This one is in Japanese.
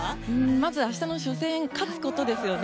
まず、明日の初戦勝つことですよね。